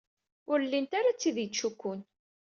Ur llint ara d tid yettcukkun.